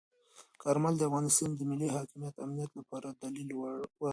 کارمل د افغانستان د ملي حاکمیت او امنیت لپاره دلیل ورکړ.